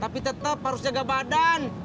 tapi tetap harus jaga badan